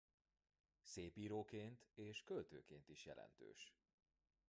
Szépíróként és költőként is jelentős.